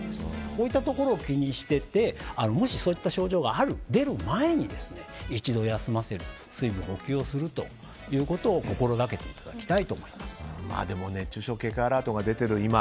こういったところを気にしててもしそういった症状が出る前に一度、休ませる水分補給をするということをでも熱中症警戒アラートが出てる今